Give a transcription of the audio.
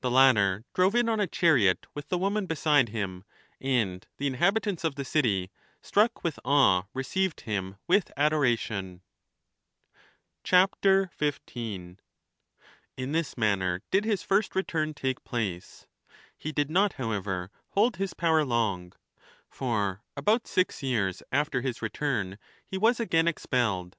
The latter drove in on a chariot with the woman beside him, and the inhabitants of the city, struck with awe, received him with adoration. 15. In this manner did his first return take place. He did not, however, hold his power long, for about six years after his return he was again expelled.